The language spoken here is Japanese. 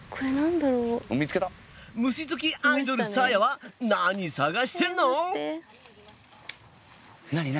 虫好きアイドルさあやは何探してんの？